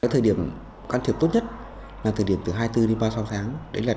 thời điểm can thiệp tốt nhất là từ hai mươi bốn đến ba mươi sáu tháng